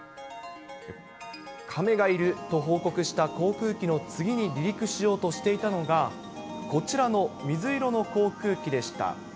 カメがいると報告した航空機の次に離陸しようとしていたのが、こちらの水色の航空機でした。